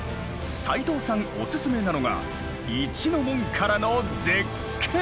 齋藤さんおすすめなのが一の門からの絶景！